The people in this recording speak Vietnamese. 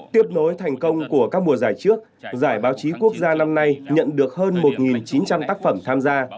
tiếp nối thành công của các mùa giải trước giải báo chí quốc gia năm nay nhận được hơn một chín trăm linh tác phẩm tham gia